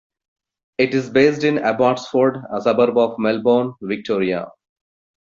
It is based in Abbotsford, a suburb of Melbourne, Victoria.